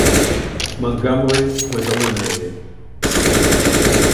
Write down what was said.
Montgomerie was eliminated.